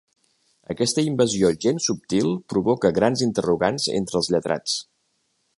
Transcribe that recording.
Aquesta invasió gens subtil provoca grans interrogants entre els lletrats.